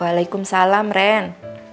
walaikum salam ren